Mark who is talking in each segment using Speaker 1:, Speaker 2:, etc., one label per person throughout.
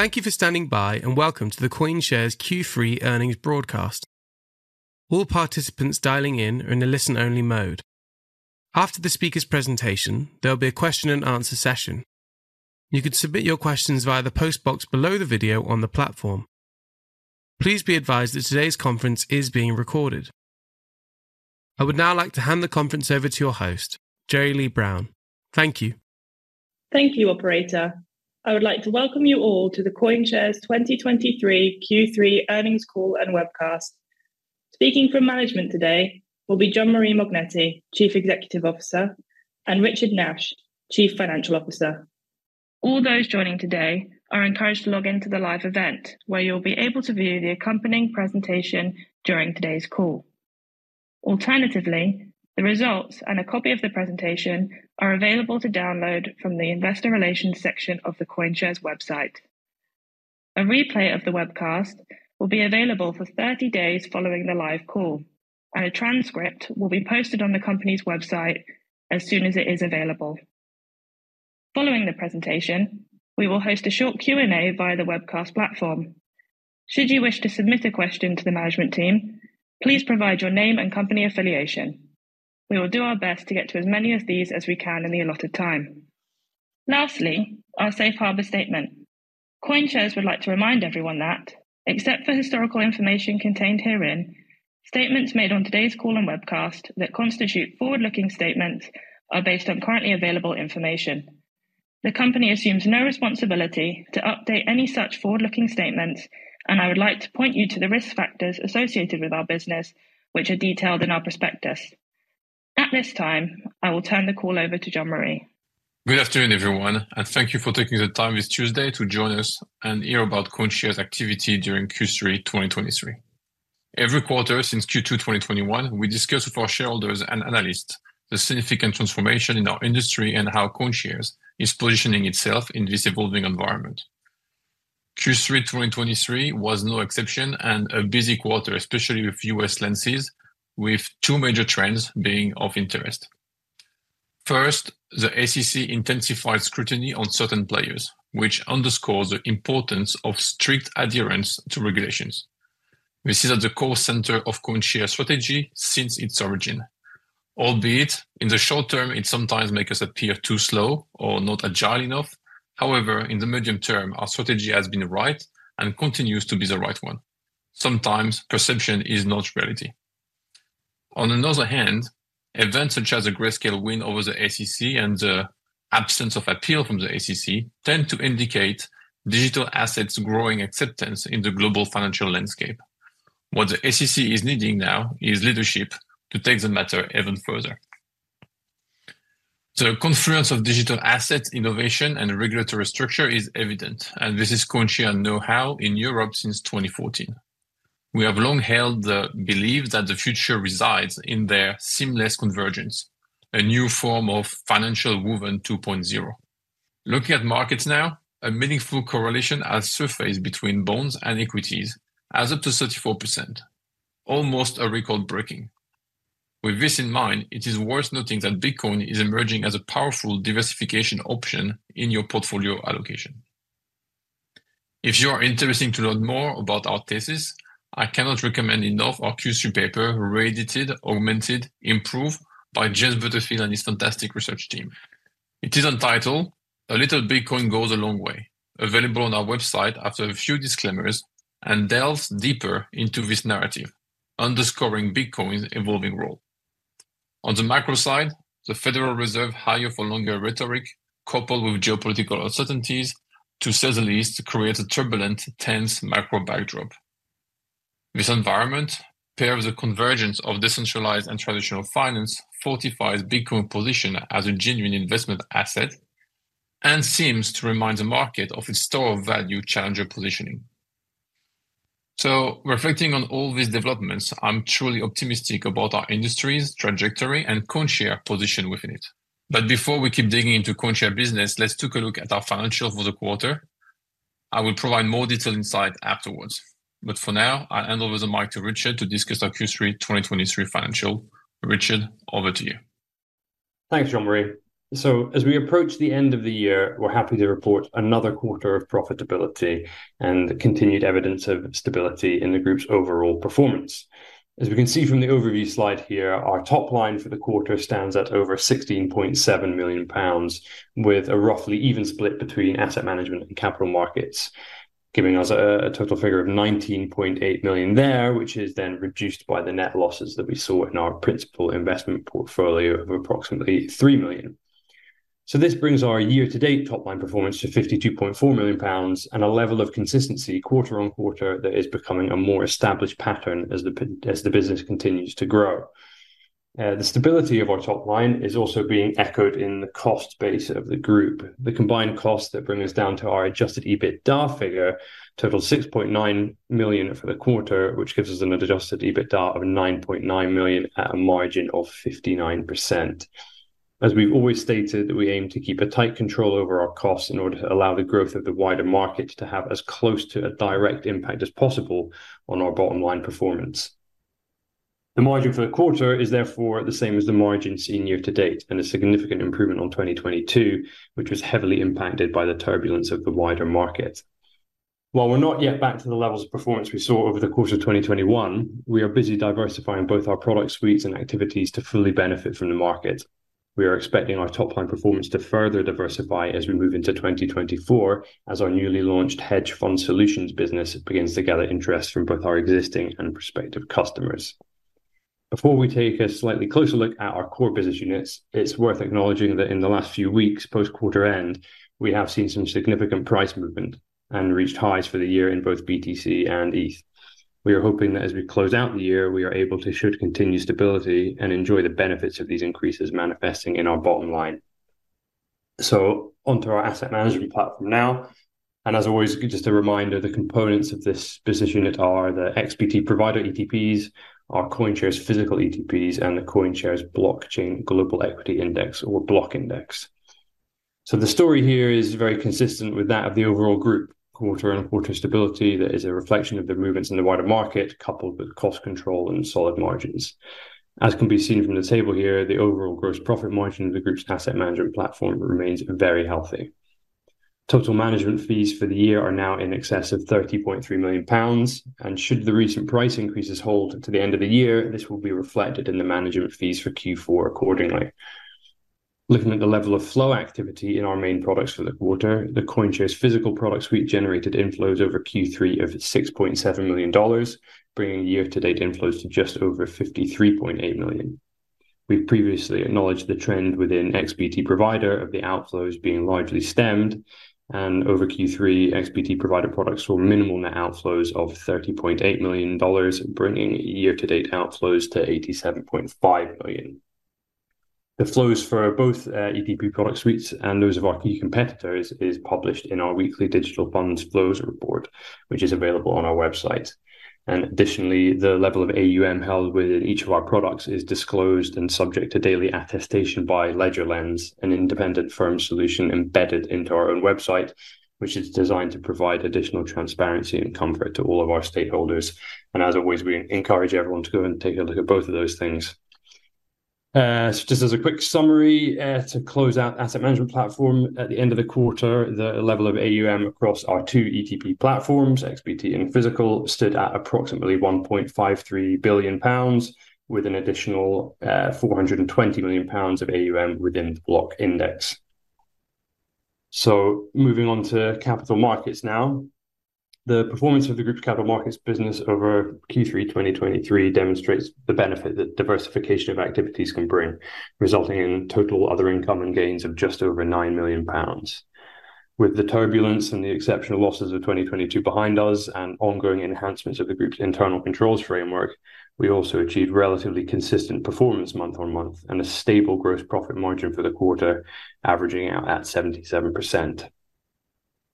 Speaker 1: Thank you for standing by, and welcome to the CoinShares Q3 earnings broadcast. All participants dialing in are in a listen-only mode. After the speaker's presentation, there'll be a question and answer session. You can submit your questions via the post box below the video on the platform. Please be advised that today's conference is being recorded. I would now like to hand the conference over to your host, Jeri-Lea Brown. Thank you.
Speaker 2: Thank you, operator. I would like to welcome you all to the CoinShares 2023 Q3 earnings call and webcast. Speaking from management today will be Jean-Marie Mognetti, Chief Executive Officer, and Richard Nash, Chief Financial Officer. All those joining today are encouraged to log in to the live event, where you'll be able to view the accompanying presentation during today's call. Alternatively, the results and a copy of the presentation are available to download from the Investor Relations section of the CoinShares website. A replay of the webcast will be available for 30 days following the live call, and a transcript will be posted on the company's website as soon as it is available. Following the presentation, we will host a short Q&A via the webcast platform. Should you wish to submit a question to the management team, please provide your name and company affiliation. We will do our best to get to as many of these as we can in the allotted time. Lastly, our safe harbor statement. CoinShares would like to remind everyone that, except for historical information contained herein, statements made on today's call and webcast that constitute forward-looking statements are based on currently available information. The company assumes no responsibility to update any such forward-looking statements, and I would like to point you to the risk factors associated with our business, which are detailed in our prospectus. At this time, I will turn the call over to Jean-Marie.
Speaker 3: Good afternoon, everyone, and thank you for taking the time this Tuesday to join us and hear about CoinShares' activity during Q3 2023. Every quarter since Q2 2021, we discuss with our shareholders and analysts the significant transformation in our industry and how CoinShares is positioning itself in this evolving environment. Q3 2023 was no exception and a busy quarter, especially with U.S. lens, with two major trends being of interest. First, the SEC intensified scrutiny on certain players, which underscores the importance of strict adherence to regulations. This is at the core center of CoinShares' strategy since its origin. Albeit, in the short term, it sometimes make us appear too slow or not agile enough. However, in the medium term, our strategy has been right and continues to be the right one. Sometimes perception is not reality. On the other hand, events such as the Grayscale win over the SEC and the absence of appeal from the SEC tend to indicate digital assets' growing acceptance in the global financial landscape. What the SEC is needing now is leadership to take the matter even further. So the confluence of digital assets, innovation, and regulatory structure is evident, and this is CoinShares' know-how in Europe since 2014. We have long held the belief that the future resides in their seamless convergence, a new form of financial Web 2.0. Looking at markets now, a meaningful correlation has surfaced between bonds and equities as up to 34%, almost a record-breaking. With this in mind, it is worth noting that Bitcoin is emerging as a powerful diversification option in your portfolio allocation. If you are interested to learn more about our thesis, I cannot recommend enough our Q3 paper, re-edited, augmented, and improved by James Butterfill and his fantastic research team. It is entitled, 'A Little Bitcoin Goes a Long Way,' available on our website after a few disclaimers, and delves deeper into this narrative, underscoring Bitcoin's evolving role. On the macro side, the Federal Reserve's higher-for-longer rhetoric, coupled with geopolitical uncertainties, to say the least, creates a turbulent, tense macro backdrop. This environment, paired with the convergence of decentralized and traditional finance, fortifies Bitcoin's position as a genuine investment asset and seems to remind the market of its store of value challenger positioning. So reflecting on all these developments, I'm truly optimistic about our industry's trajectory and CoinShares' position within it. But before we keep digging into CoinShares' business, let's take a look at our financials for the quarter. I will provide more detailed insight afterwards, but for now, I'll hand over the mic to Richard to discuss our Q3 2023 financials. Richard, over to you.
Speaker 4: Thanks, Jean-Marie. So as we approach the end of the year, we're happy to report another quarter of profitability and continued evidence of stability in the group's overall performance. As we can see from the overview slide here, our top line for the quarter stands at over 16.7 million pounds, with a roughly even split between asset management and capital markets, giving us a total figure of 19.8 million there, which is then reduced by the net losses that we saw in our principal investment portfolio of approximately 3 million. So this brings our year-to-date top-line performance to 52.4 million pounds and a level of consistency quarter on quarter that is becoming a more established pattern as the business continues to grow. The stability of our top line is also being echoed in the cost base of the group. The combined cost that bring us down to our adjusted EBITDA figure totaled 6.9 million for the quarter, which gives us an adjusted EBITDA of 9.9 million at a margin of 59%. As we've always stated, we aim to keep a tight control over our costs in order to allow the growth of the wider market to have as close to a direct impact as possible on our bottom line performance.... The margin for the quarter is therefore the same as the margin seen year to date, and a significant improvement on 2022, which was heavily impacted by the turbulence of the wider market. While we're not yet back to the levels of performance we saw over the course of 2021, we are busy diversifying both our product suites and activities to fully benefit from the market. We are expecting our top-line performance to further diversify as we move into 2024, as our newly launched hedge fund solutions business begins to gather interest from both our existing and prospective customers. Before we take a slightly closer look at our core business units, it's worth acknowledging that in the last few weeks, post quarter end, we have seen some significant price movement and reached highs for the year in both BTC and ETH. We are hoping that as we close out the year, we are able to show continued stability and enjoy the benefits of these increases manifesting in our bottom line. So onto our asset management platform now, and as always, just a reminder, the components of this business unit are the XBT Provider ETPs, our CoinShares Physical ETPs, and the CoinShares Blockchain Global Equity Index, or Block Index. The story here is very consistent with that of the overall group, quarter-over-quarter stability that is a reflection of the movements in the wider market, coupled with cost control and solid margins. As can be seen from the table here, the overall gross profit margin of the group's asset management platform remains very healthy. Total management fees for the year are now in excess of 30.3 million pounds, and should the recent price increases hold to the end of the year, this will be reflected in the management fees for Q4 accordingly. Looking at the level of flow activity in our main products for the quarter, the CoinShares Physical product suite generated inflows over Q3 of $6.7 million, bringing year-to-date inflows to just over $53.8 million. We've previously acknowledged the trend within XBT Provider of the outflows being largely stemmed, and over Q3, XBT Provider products saw minimal net outflows of $30.8 million, bringing year-to-date outflows to $87.5 million. The flows for both ETP product suites and those of our key competitors is published in our weekly Digital Funds Flows report, which is available on our website. And additionally, the level of AUM held within each of our products is disclosed and subject to daily attestation by LedgerLens, an independent firm solution embedded into our own website, which is designed to provide additional transparency and comfort to all of our stakeholders. And as always, we encourage everyone to go and take a look at both of those things. So just as a quick summary, to close out asset management platform. At the end of the quarter, the level of AUM across our two ETP platforms, XBT and Physical, stood at approximately 1.53 billion pounds, with an additional 420 million pounds of AUM within the Block Index. So moving on to capital markets now. The performance of the group's capital markets business over Q3 2023 demonstrates the benefit that diversification of activities can bring, resulting in total other income and gains of just over 9 million pounds. With the turbulence and the exceptional losses of 2022 behind us, and ongoing enhancements of the group's internal controls framework, we also achieved relatively consistent performance month-on-month, and a stable gross profit margin for the quarter, averaging out at 77%.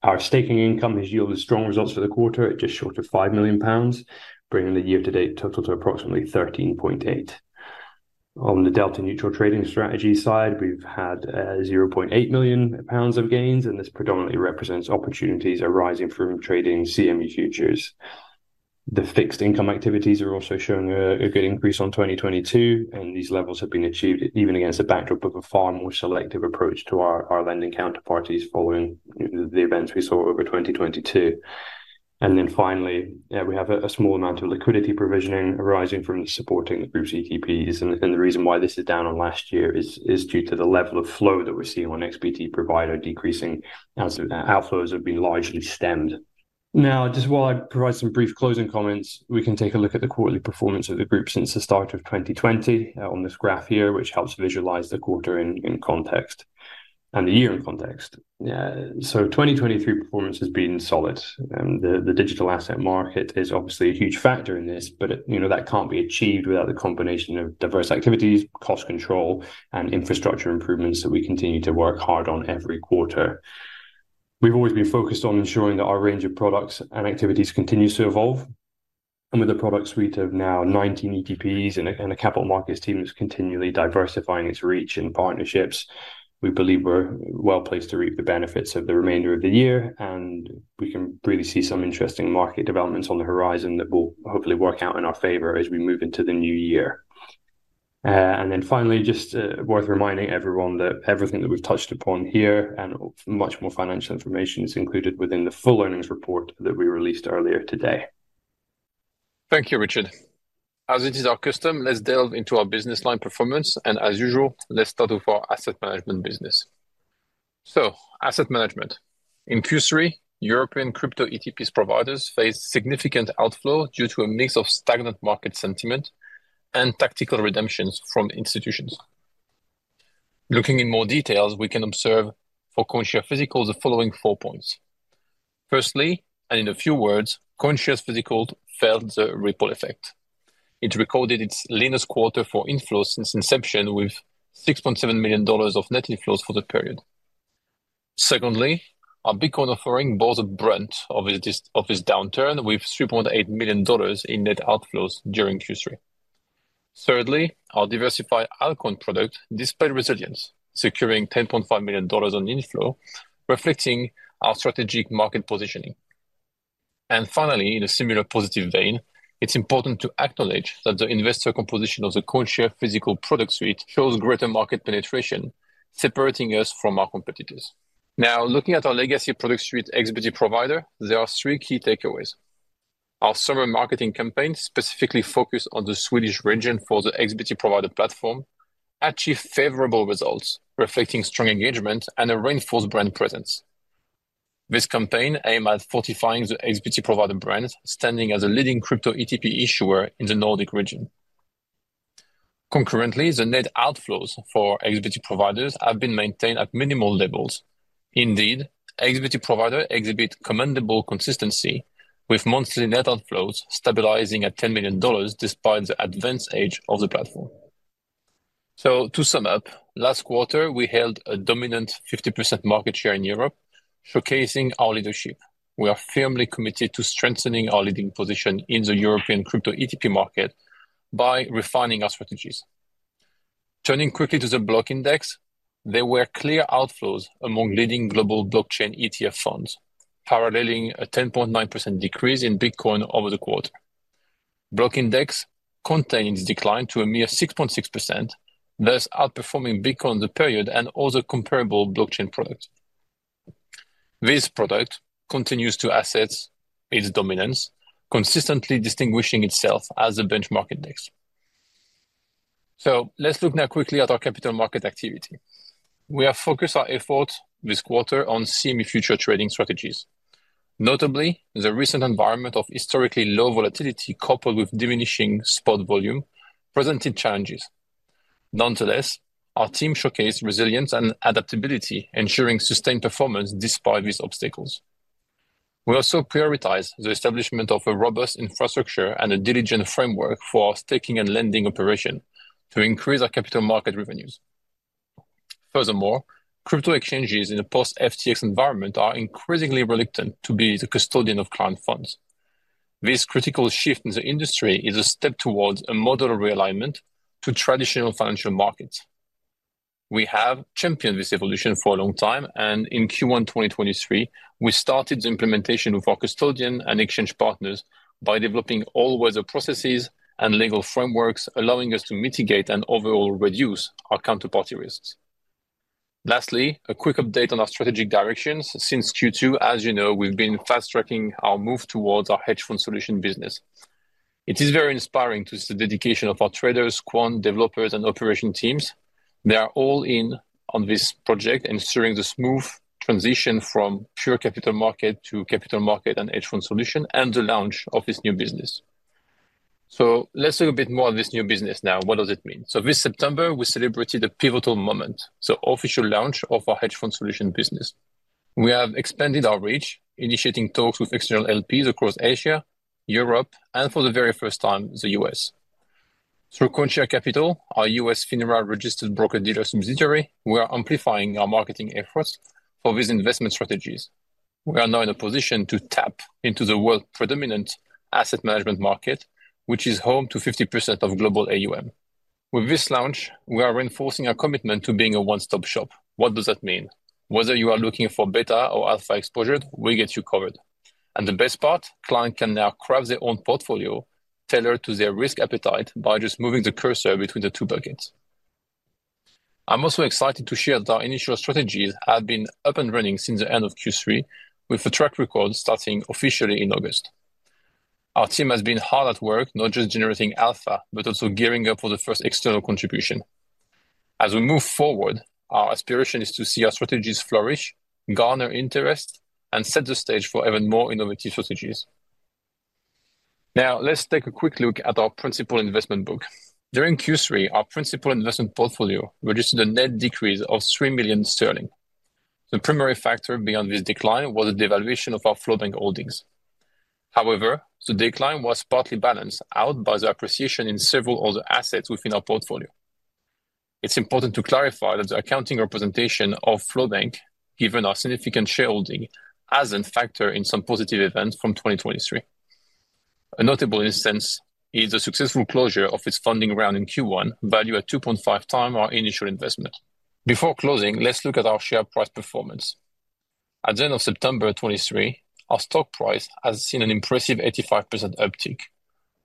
Speaker 4: Our staking income has yielded strong results for the quarter at just short of 5 million pounds, bringing the year-to-date total to approximately 13.8 million. On the delta neutral trading strategy side, we've had zero point eight million pounds of gains, and this predominantly represents opportunities arising from trading CME futures. The fixed income activities are also showing a good increase on 2022, and these levels have been achieved even against the backdrop of a far more selective approach to our lending counterparties following the events we saw over 2022. And then finally, we have a small amount of liquidity provisioning arising from supporting the group's ETPs, and the reason why this is down on last year is due to the level of flow that we're seeing on XBT Provider decreasing, as outflows have been largely stemmed. Now, just while I provide some brief closing comments, we can take a look at the quarterly performance of the group since the start of 2020 on this graph here, which helps visualize the quarter in context and the year in context. Yeah, so 2023 performance has been solid, and the digital asset market is obviously a huge factor in this, but, you know, that can't be achieved without the combination of diverse activities, cost control, and infrastructure improvements that we continue to work hard on every quarter. We've always been focused on ensuring that our range of products and activities continues to evolve. And with a product suite of now 19 ETPs and a capital markets team that's continually diversifying its reach and partnerships, we believe we're well-placed to reap the benefits of the remainder of the year, and we can really see some interesting market developments on the horizon that will hopefully work out in our favor as we move into the new year. And then finally, just worth reminding everyone that everything that we've touched upon here and much more financial information is included within the full earnings report that we released earlier today.
Speaker 3: Thank you, Richard. As it is our custom, let's delve into our business line performance, and as usual, let's start with our asset management business. So asset management. In Q3, European crypto ETPs providers faced significant outflow due to a mix of stagnant market sentiment and tactical redemptions from institutions. Looking in more details, we can observe for CoinShares Physical the following four points. Firstly, and in a few words, CoinShares Physical felt the ripple effect. It recorded its leanest quarter for inflows since inception, with $6.7 million of net inflows for the period. Secondly, our Bitcoin offering bore the brunt of this downturn, with $3.8 million in net outflows during Q3. Thirdly, our diversified altcoin product displayed resilience, securing $10.5 million on inflow, reflecting our strategic market positioning.... Finally, in a similar positive vein, it's important to acknowledge that the investor composition of the CoinShares physical product suite shows greater market penetration, separating us from our competitors. Now, looking at our legacy product suite, XBT Provider, there are three key takeaways. Our summer marketing campaign, specifically focused on the Swedish region for the XBT Provider platform, achieved favorable results, reflecting strong engagement and a reinforced brand presence. This campaign aimed at fortifying the XBT Provider brand, standing as a leading crypto ETP issuer in the Nordic region. Concurrently, the net outflows for XBT Provider have been maintained at minimal levels. Indeed, XBT Provider exhibit commendable consistency, with monthly net outflows stabilizing at $10 million despite the advanced age of the platform. To sum up, last quarter, we held a dominant 50% market share in Europe, showcasing our leadership. We are firmly committed to strengthening our leading position in the European crypto ETP market by refining our strategies. Turning quickly to the Block Index, there were clear outflows among leading global blockchain ETF funds, paralleling a 10.9% decrease in Bitcoin over the quarter. Block Index contained its decline to a mere 6.6%, thus outperforming Bitcoin in the period and other comparable blockchain products. This product continues to assert its dominance, consistently distinguishing itself as a benchmark index. So let's look now quickly at our capital market activity. We have focused our efforts this quarter on CME futures trading strategies. Notably, the recent environment of historically low volatility, coupled with diminishing spot volume, presented challenges. Nonetheless, our team showcased resilience and adaptability, ensuring sustained performance despite these obstacles. We also prioritize the establishment of a robust infrastructure and a diligent framework for our staking and lending operation to increase our capital market revenues. Furthermore, crypto exchanges in a post-FTX environment are increasingly reluctant to be the custodian of client funds. This critical shift in the industry is a step towards a model realignment to traditional financial markets. We have championed this evolution for a long time, and in Q1, 2023, we started the implementation with our custodian and exchange partners by developing all weather processes and legal frameworks, allowing us to mitigate and overall reduce our counterparty risk. Lastly, a quick update on our strategic directions. Since Q2, as you know, we've been fast-tracking our move towards our hedge fund solution business. It is very inspiring to see the dedication of our traders, quant, developers, and operation teams. They are all in on this project, ensuring the smooth transition from pure capital market to capital markets and hedge fund solution, and the launch of this new business. So let's talk a bit more of this new business now. What does it mean? So this September, we celebrated a pivotal moment, the official launch of our hedge fund solution business. We have expanded our reach, initiating talks with external LPs across Asia, Europe, and for the very first time, the U.S. Through CoinShares Capital, our U.S. FINRA-registered broker-dealer subsidiary, we are amplifying our marketing efforts for these investment strategies. We are now in a position to tap into the world's predominant asset management market, which is home to 50% of global AUM. With this launch, we are reinforcing our commitment to being a one-stop shop. What does that mean? Whether you are looking for beta or alpha exposure, we get you covered. And the best part, clients can now craft their own portfolio tailored to their risk appetite by just moving the cursor between the two buckets. I'm also excited to share that our initial strategies have been up and running since the end of Q3, with a track record starting officially in August. Our team has been hard at work, not just generating alpha, but also gearing up for the first external contribution. As we move forward, our aspiration is to see our strategies flourish, garner interest, and set the stage for even more innovative strategies. Now, let's take a quick look at our principal investment book. During Q3, our principal investment portfolio registered a net decrease of 3 million sterling. The primary factor beyond this decline was the devaluation of our FlowBank holdings. However, the decline was partly balanced out by the appreciation in several other assets within our portfolio. It's important to clarify that the accounting representation of FlowBank, given our significant shareholding, hasn't factored in some positive events from 2023. A notable instance is the successful closure of its funding round in Q1, valued at 2.5 times our initial investment. Before closing, let's look at our share price performance. At the end of September 2023, our stock price has seen an impressive 85% uptick.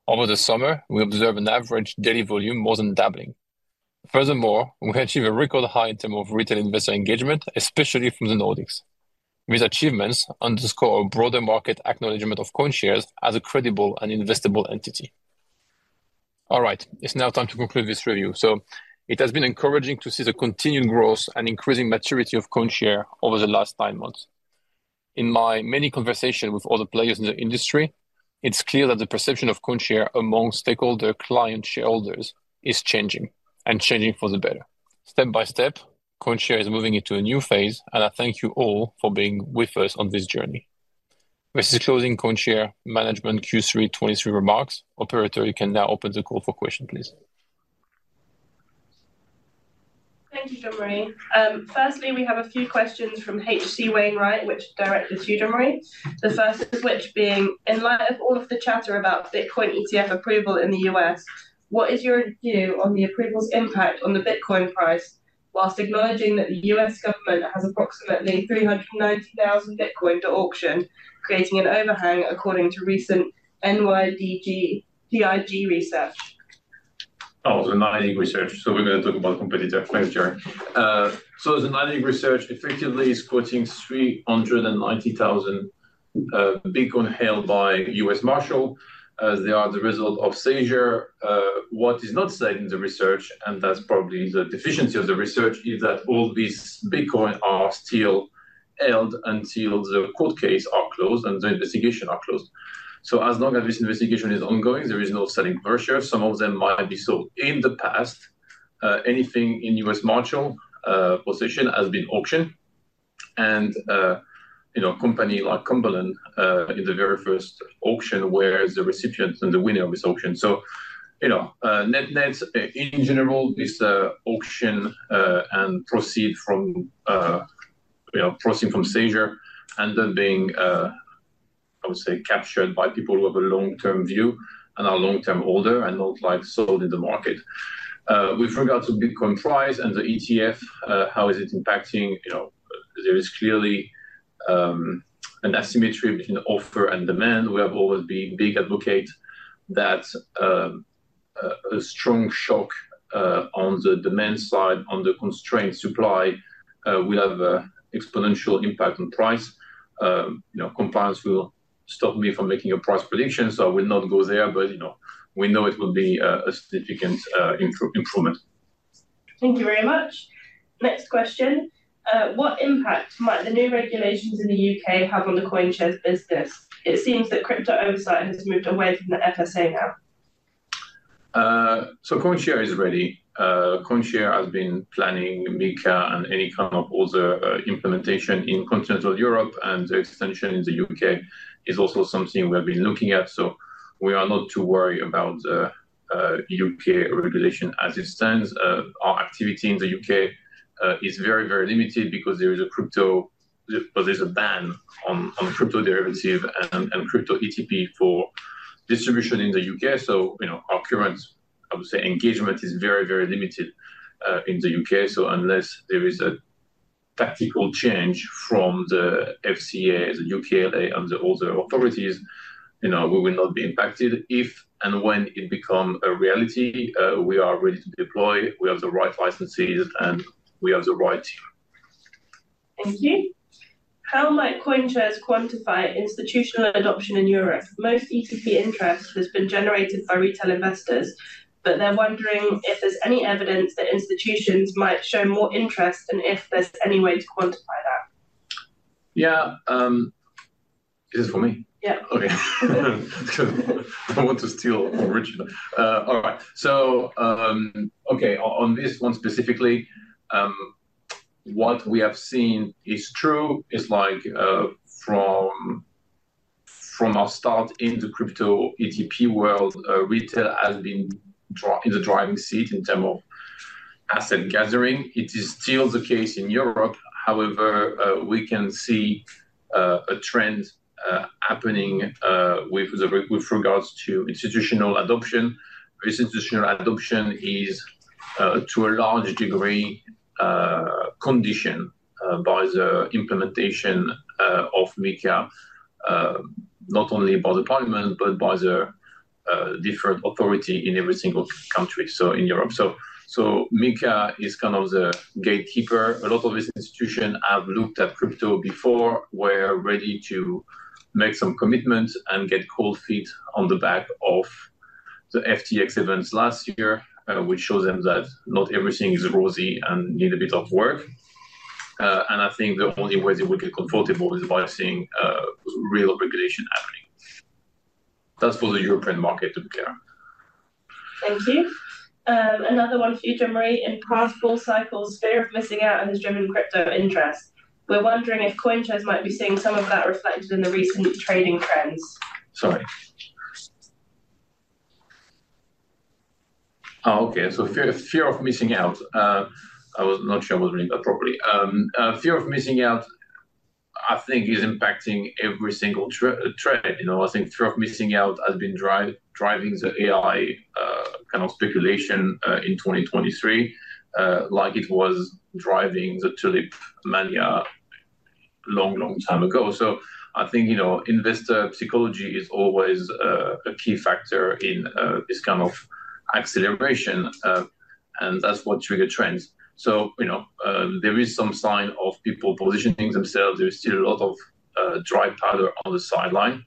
Speaker 3: Over the summer, we observed an average daily volume more than doubling. Furthermore, we achieved a record high in terms of retail investor engagement, especially from the Nordics. These achievements underscore a broader market acknowledgment of CoinShares as a credible and investable entity. All right, it's now time to conclude this review. So it has been encouraging to see the continued growth and increasing maturity of CoinShares over the last nine months. In my many conversations with other players in the industry, it's clear that the perception of CoinShares among stakeholders, clients, shareholders is changing, and changing for the better. Step by step, CoinShares is moving into a new phase, and I thank you all for being with us on this journey. This is closing CoinShares management Q3 2023 remarks. Operator, you can now open the call for questions, please.
Speaker 2: Thank you, Jean-Marie. Firstly, we have a few questions from H.C. Wainwright, which are directed to you, Jean-Marie. The first of which being: In light of all of the chatter about Bitcoin ETF approval in the U.S., what is your view on the approval's impact on the Bitcoin price?... while acknowledging that the U.S. government has approximately 390,000 Bitcoin to auction, creating an overhang, according to recent NYDIG research.
Speaker 3: Oh, the NYDIG research. So we're gonna talk about competitor quite sure. So the NYDIG research effectively is quoting 390,000 Bitcoin held by U.S. Marshals Service. They are the result of seizure. What is not said in the research, and that's probably the deficiency of the research, is that all these Bitcoin are still held until the court cases are closed and the investigations are closed. So as long as this investigation is ongoing, there is no selling pressure. Some of them might have been sold in the past. Anything in U.S. Marshals Service possession has been auctioned. And, you know, a company like Cumberland in the very first auction, where the recipient and the winner of this auction. So, you know, net-net, in general, this auction and proceeds from, you know, proceeding from seizure and then being, I would say, captured by people who have a long-term view and are long-term holders and not, like, sold in the market. We forgot the Bitcoin price and the ETF, how is it impacting? You know, there is clearly an asymmetry between offer and demand. We have always been big advocate that a strong shock on the demand side, on the constrained supply, will have a exponential impact on price. You know, compliance will stop me from making a price prediction, so I will not go there. But, you know, we know it will be a significant improvement.
Speaker 2: Thank you very much. Next question. What impact might the new regulations in the UK have on the CoinShares business? It seems that crypto oversight has moved away from the FSA now.
Speaker 3: So CoinShares is ready. CoinShares has been planning MiCA and any kind of other implementation in continental Europe, and the extension in the UK is also something we have been looking at. So we are not too worried about UK regulation. As it stands, our activity in the UK is very, very limited because there is a crypto... Well, there's a ban on crypto derivative and crypto ETP for distribution in the UK. So, you know, our current engagement is very, very limited in the UK. So unless there is a tactical change from the FCA, the UKLA, and the other authorities, you know, we will not be impacted. If and when it becomes a reality, we are ready to deploy, we have the right licenses, and we have the right team.
Speaker 2: Thank you. How might CoinShares quantify institutional adoption in Europe? Most ETP interest has been generated by retail investors, but they're wondering if there's any evidence that institutions might show more interest and if there's any way to quantify that.
Speaker 3: Yeah, is this for me?
Speaker 2: Yeah.
Speaker 3: Okay. So I don't want to steal from Richard. All right. So, on this one specifically, what we have seen is true, is like from our start in the crypto ETP world, retail has been in the driving seat in terms of asset gathering. It is still the case in Europe. However, we can see a trend happening with regards to institutional adoption, because institutional adoption is to a large degree conditioned by the implementation of MiCA, not only by the parliament, but by the different authority in every single country, so in Europe. So MiCA is kind of the gatekeeper. A lot of these institutions have looked at crypto before, were ready to make some commitments, and get cold feet on the back of the FTX events last year, which show them that not everything is rosy and need a bit of work. And I think the only way they will get comfortable is by seeing real regulation happening. That's for the European market of MiCA.
Speaker 2: Thank you. Another one for you, Jean-Marie. In past full cycles, fear of missing out has driven crypto interest. We're wondering if CoinShares might be seeing some of that reflected in the recent trading trends?
Speaker 3: Sorry. Oh, okay. So fear, fear of missing out. I was not sure I was reading that properly. Fear of missing out, I think is impacting every single trend. You know, I think fear of missing out has been driving the AI kind of speculation in 2023, like it was driving the tulip mania long, long time ago. So I think, you know, investor psychology is always a key factor in this kind of acceleration, and that's what triggers trends. So, you know, there is some sign of people positioning themselves. There's still a lot of dry powder on the sideline,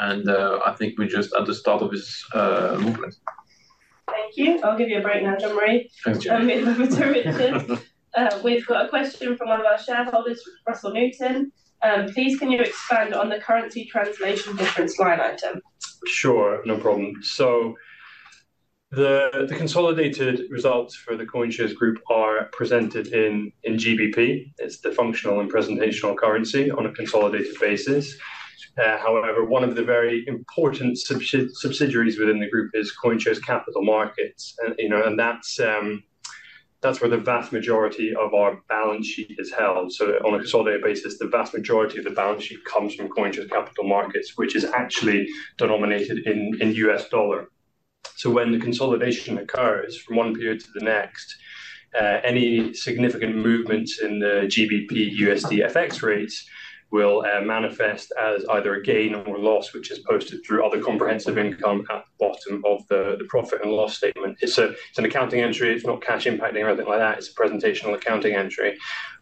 Speaker 3: and I think we're just at the start of this movement.
Speaker 2: Thank you. I'll give you a break now, Jean-Marie.
Speaker 3: Thanks.
Speaker 2: In two minutes. We've got a question from one of our shareholders, Russell Newton. Please, can you expand on the currency translation difference line item?
Speaker 4: Sure, no problem. So the consolidated results for the CoinShares Group are presented in GBP. It's the functional and presentational currency on a consolidated basis. However, one of the very important subsidiaries within the group is CoinShares Capital Markets. And, you know, that's where the vast majority of our balance sheet is held. So on a consolidated basis, the vast majority of the balance sheet comes from CoinShares Capital Markets, which is actually denominated in US dollar. So when the consolidation occurs from one period to the next, any significant movement in the GBP, USD FX rates will manifest as either a gain or loss, which is posted through other comprehensive income at the bottom of the profit and loss statement. It's an accounting entry. It's not cash impacting or anything like that. It's a presentational accounting entry.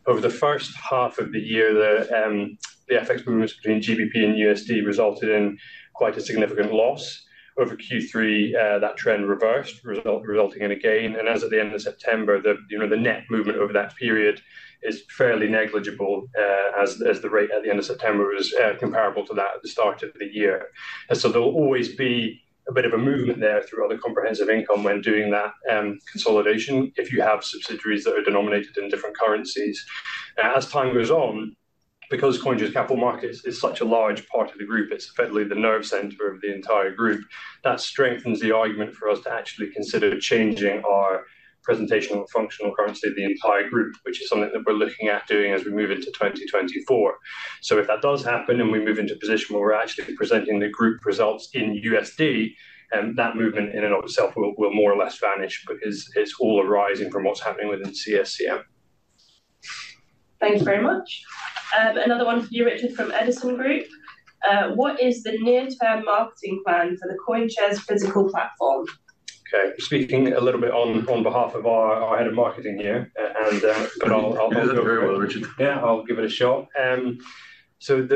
Speaker 4: Over the first half of the year, the, the FX movements between GBP and USD resulted in quite a significant loss. Over Q3, that trend reversed, resulting in a gain, and as of the end of September, the, you know, the net movement over that period is fairly negligible, as, as the rate at the end of September is, comparable to that at the start of the year. And so there will always be a bit of a movement there through other comprehensive income when doing that, consolidation, if you have subsidiaries that are denominated in different currencies. As time goes on, because CoinShares Capital Markets is such a large part of the group, it's effectively the nerve center of the entire group, that strengthens the argument for us to actually consider changing our presentational functional currency of the entire group, which is something that we're looking at doing as we move into 2024. So if that does happen, and we move into a position where we're actually presenting the group results in USD, that movement in and of itself will more or less vanish because it's all arising from what's happening within CSCM.
Speaker 2: Thanks very much. Another one for you, Richard, from Edison Group. What is the near-term marketing plan for the CoinShares Physical platform?
Speaker 4: Okay. Speaking a little bit on behalf of our head of marketing here, but I'll-
Speaker 3: You know it very well, Richard.
Speaker 4: Yeah, I'll give it a shot. So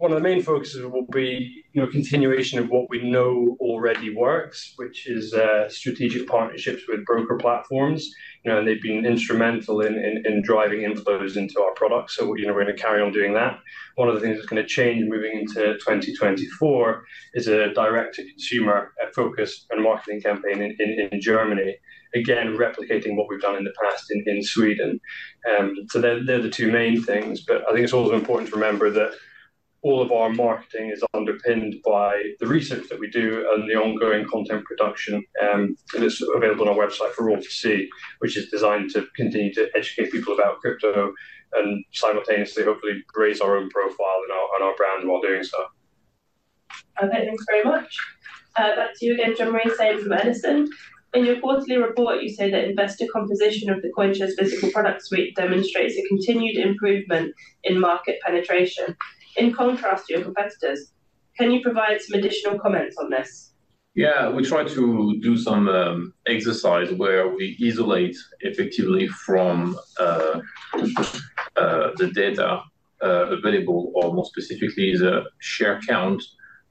Speaker 4: one of the main focuses will be, you know, continuation of what we know already works, which is strategic partnerships with broker platforms. You know, they've been instrumental in driving inflows into our products, so we're, you know, we're gonna carry on doing that. One of the things that's gonna change moving into 2024 is a direct-to-consumer focus and marketing campaign in Germany, again, replicating what we've done in the past in Sweden. So they're the two main things, but I think it's also important to remember that all of our marketing is underpinned by the research that we do and the ongoing content production, and it's available on our website for all to see, which is designed to continue to educate people about crypto, and simultaneously, hopefully raise our own profile and our brand while doing so.
Speaker 2: Okay, thanks very much. Back to you again, Jean-Marie, same from Edison. In your quarterly report, you say that investor composition of the CoinShares physical product suite demonstrates a continued improvement in market penetration in contrast to your competitors. Can you provide some additional comments on this?
Speaker 3: Yeah, we try to do some exercise where we isolate effectively from the data available, or more specifically, the share count,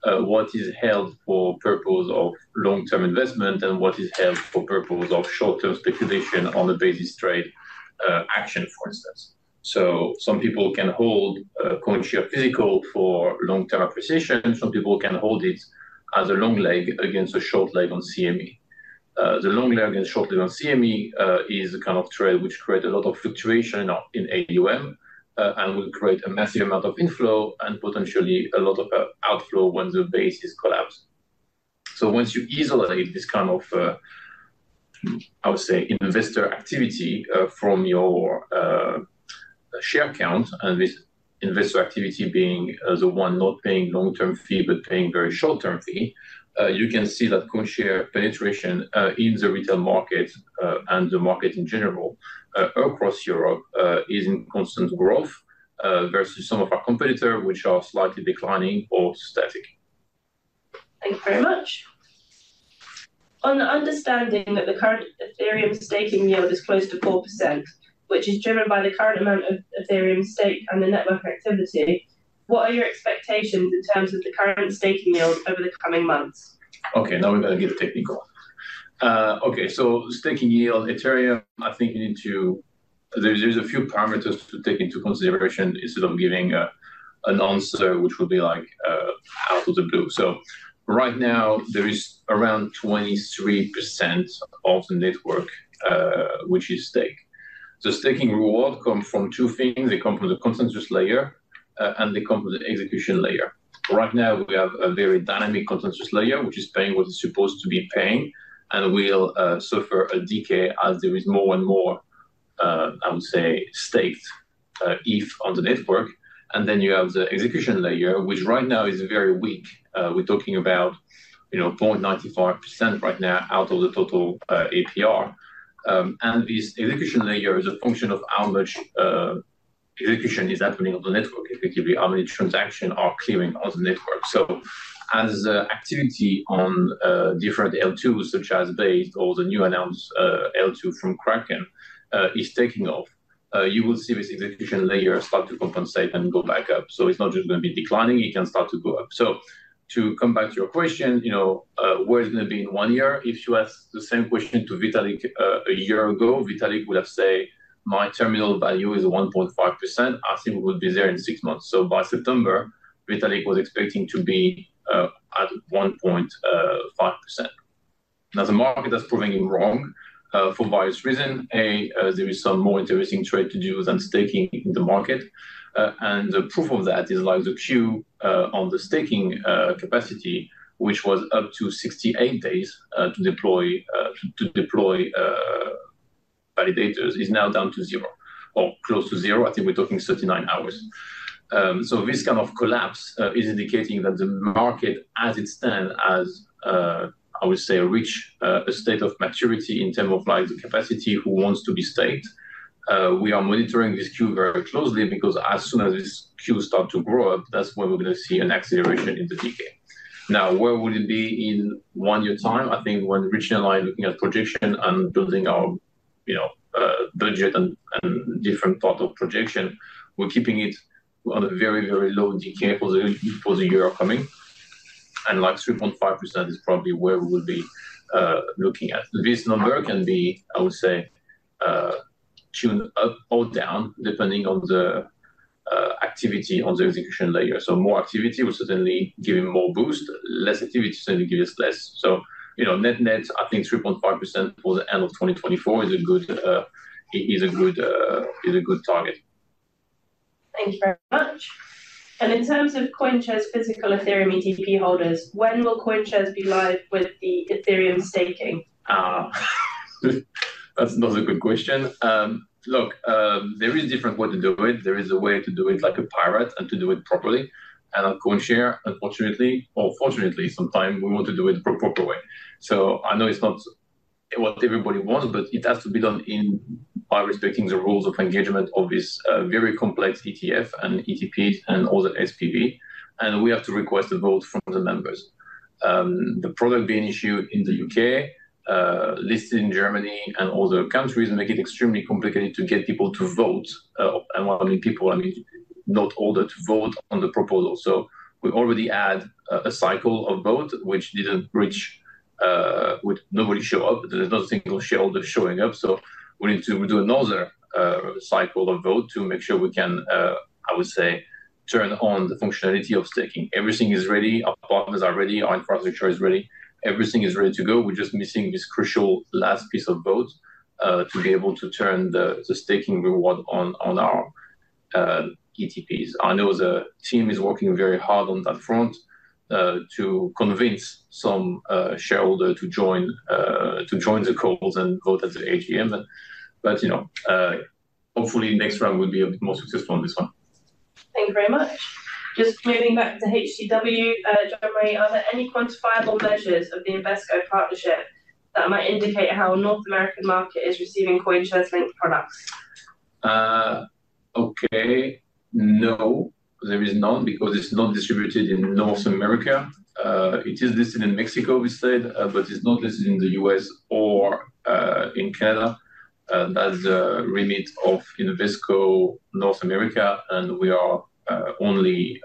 Speaker 3: what is held for purpose of long-term investment and what is held for purpose of short-term speculation on the basis trade action, for instance. So some people can hold CoinShares Physical for long-term appreciation, and some people can hold it as a long leg against a short leg on CME. The long leg and short leg on CME is a kind of trade which creates a lot of fluctuation in AUM, and will create a massive amount of inflow and potentially a lot of outflow when the base is collapsed. So once you isolate this kind of, I would say, investor activity from your share count, and this investor activity being the one not paying long-term fee, but paying very short-term fee, you can see that CoinShares penetration in the retail market and the market in general across Europe is in constant growth versus some of our competitors, which are slightly declining or static.
Speaker 2: Thank you very much. On the understanding that the current Ethereum staking yield is close to 4%, which is driven by the current amount of Ethereum stake and the network activity, what are your expectations in terms of the current staking yields over the coming months?
Speaker 3: Okay, now we're gonna get technical. Okay, so staking yield, Ethereum, I think you need to... There, there's a few parameters to take into consideration instead of giving an answer, which would be like out of the blue. So right now, there is around 23% of the network which is staked. So staking reward come from two things: they come from the consensus layer and they come from the execution layer. Right now, we have a very dynamic consensus layer, which is paying what it's supposed to be paying, and will suffer a decay as there is more and more, I would say, staked ETH on the network. And then you have the execution layer, which right now is very weak. We're talking about, you know, 0.95% right now out of the total APR. And this execution layer is a function of how much execution is happening on the network, effectively, how many transactions are clearing on the network. So as activity on different L2, such as Base or the new announced L2 from Kraken, is taking off, you will see this execution layer start to compensate and go back up. So it's not just gonna be declining, it can start to go up. So to come back to your question, you know, where is it gonna be in one year? If you asked the same question to Vitalik a year ago, Vitalik would have said, "My terminal value is 1.5%. I think we will be there in six months." So by September, Vitalik was expecting to be at 1.5%. Now, the market is proving him wrong, for various reasons. There is some more interesting trade to do than staking in the market. And the proof of that is like the queue on the staking capacity, which was up to 68 days to deploy validators is now down to zero or close to zero. I think we're talking 39 hours. So this kind of collapse is indicating that the market as it stands has, I would say, reached a state of maturity in term of like the capacity, who wants to be staked. We are monitoring this queue very closely because as soon as this queue start to grow up, that's when we're gonna see an acceleration in the decay. Now, where will it be in one year time? I think when reaching a line, looking at projection and building our, you know, budget and, and different part of projection, we're keeping it on a very, very low decay for the, for the year upcoming. And like 3.5% is probably where we will be looking at. This number can be, I would say, tuned up or down, depending on the activity on the execution layer. So more activity will certainly give it more boost, less activity certainly give us less. So, you know, net, net, I think 3.5% for the end of 2024 is a good, is a good, is a good target.
Speaker 2: Thank you very much. In terms of CoinShares' physical Ethereum ETP holders, when will CoinShares be live with the Ethereum staking?
Speaker 3: That's another good question. Look, there is different way to do it. There is a way to do it like a pirate and to do it properly. And on CoinShares, unfortunately, or fortunately, sometime we want to do it the proper way. So I know it's not what everybody wants, but it has to be done in by respecting the rules of engagement of this very complex ETF and ETP and all the SPV, and we have to request a vote from the members. The product being issued in the U.K., listed in Germany and other countries, make it extremely complicated to get people to vote. And by people, I mean not all that vote on the proposal. So we already added a cycle of vote, which didn't reach quorum with nobody showing up. There is no single shareholder showing up, so we need to do another cycle of vote to make sure we can, I would say, turn on the functionality of staking. Everything is ready. Our partners are ready, our infrastructure is ready. Everything is ready to go. We're just missing this crucial last piece of vote to be able to turn the staking reward on on our ETPs. I know the team is working very hard on that front to convince some shareholder to join the calls and vote at the AGM. But, you know, hopefully, next round will be a bit more successful on this one.
Speaker 2: Thank you very much. Just moving back to HCW. Jean-Marie, are there any quantifiable measures of the Invesco partnership that might indicate how a North American market is receiving CoinShares linked products?
Speaker 3: Okay. No, there is none, because it's not distributed in North America. It is listed in Mexico, we said, but it's not listed in the US or in Canada, as the remit of Invesco North America, and we are only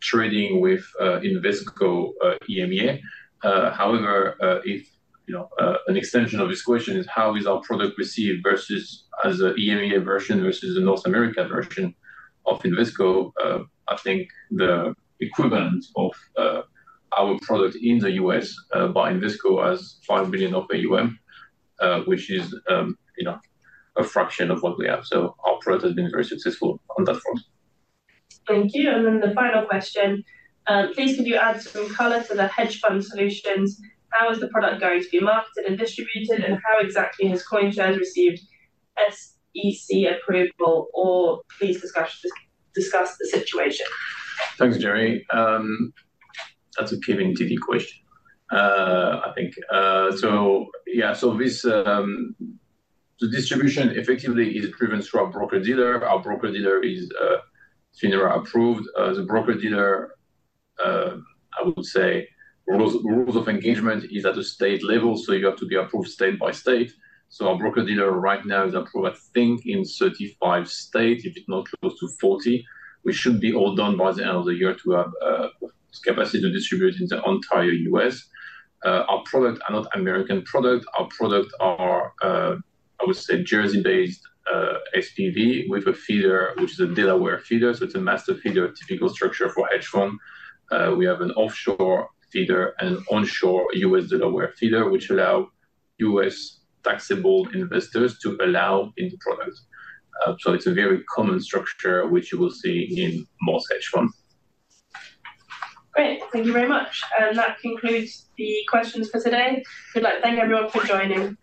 Speaker 3: trading with Invesco EMEA. However, if, you know, an extension of this question is how is our product received versus as a EMEA version versus a North American version of Invesco? I think the equivalent of our product in the US, by Invesco, has $5 billion of AUM, which is, you know, a fraction of what we have. So our product has been very successful on that front.
Speaker 2: Thank you. And then the final question. Please, could you add some color to the hedge fund solutions? How is the product going to be marketed and distributed, and how exactly has CoinShares received SEC approval, or please discuss, discuss the situation?
Speaker 3: Thanks, Jeri. That's a pretty tricky question, I think. So yeah, so this, the distribution effectively is approved through our broker-dealer. Our broker-dealer is FINRA approved. The broker-dealer, I would say, rules of engagement is at a state level, so you have to be approved state by state. So our broker-dealer right now is approved, I think, in 35 states. If it's not close to 40, we should be all done by the end of the year to have capacity to distribute in the entire U.S. Our product are not American product. Our product are, I would say, Jersey-based SPV with a feeder, which is a Delaware feeder, so it's a master-feeder typical structure for hedge fund. We have an offshore feeder and onshore U.S. Delaware feeder, which allows U.S. taxable investors to participate in the product. So it's a very common structure, which you will see in most hedge fund.
Speaker 2: Great. Thank you very much. That concludes the questions for today. We'd like to thank everyone for joining.